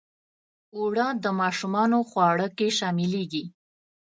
اوړه د ماشومانو خواړه کې شاملیږي